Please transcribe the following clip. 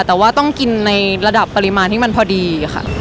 แต่ว่าต้องกินในระดับปริมาณที่มันพอดีค่ะ